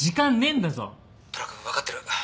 虎君分かってる。